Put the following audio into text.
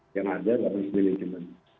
yang ada adalah manajemen